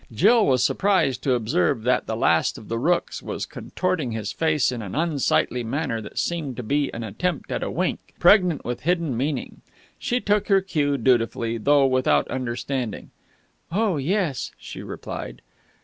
Jill was surprised to observe that the Last of the Rookes was contorting his face in an unsightly manner that seemed to be an attempt at a wink, pregnant with hidden meaning. She took her cue dutifully, though without understanding. "Oh, yes," she replied.